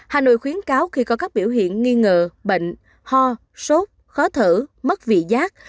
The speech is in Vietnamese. hà nội khuyến cáo khi có các biểu hiện nghi ngờ bệnh ho sốt khó thở mất vị giác